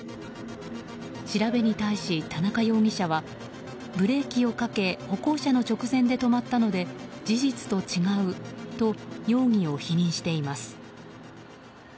調べに対し、田中容疑者はブレーキをかけ歩行者の直前で止まったので事実と違うと容疑を否認しています。